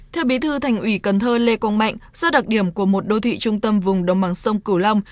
theo bí thư thành ủy cần thơ lê quang mạnh do đặc điểm của một đô thị trung tâm vùng đồng bằng sông cửu long